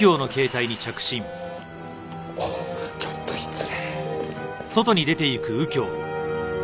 ああちょっと失礼。